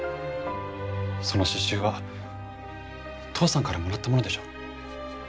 その詩集は父さんからもらったものでしょ？